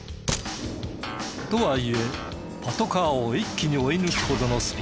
とはいえパトカーを一気に追い抜くほどのスピード。